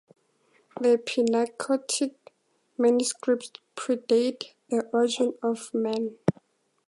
The Pnakotic Manuscripts predate the origin of man.